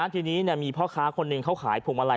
ทีนี้มีพ่อค้าคนหนึ่งเขาขายพวงมาลัย